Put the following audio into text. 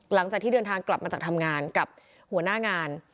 หลังจากที่เดินทางกลับมาจากทำงานกับหัวหน้างาน